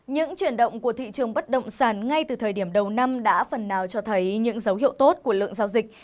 những chuyển động của thị trường bất động sản ngay từ thời điểm đầu năm đã phần nào cho thấy những dấu hiệu tốt của lượng giao dịch